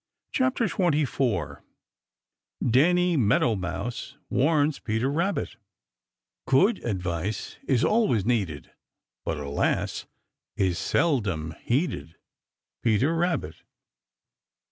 CHAPTER XXIV DANNY MEADOW MOUSE WARNS PETER RABBIT Good advice Is always needed But, alas! is seldom heeded, Peter Rabbit.